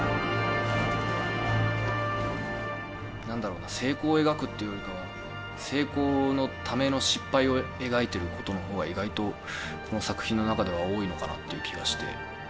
何だろうな成功を描くっていうよりかは成功のための失敗を描いていることの方が意外とこの作品の中では多いのかなっていう気がして。